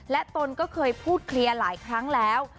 ตนก็เคยพูดเคลียร์หลายครั้งแล้ว